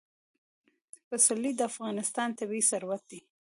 پسرلی د افغانستان طبعي ثروت دی.